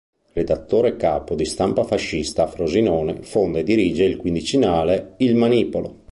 Redattore capo di Stampa fascista a Frosinone fonda e dirige il quindicinale Il manipolo.